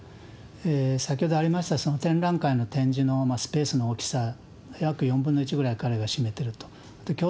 先ほどありました、その展覧館の展示のスペースの大きさ、約４分の１ぐらい彼が占めていると。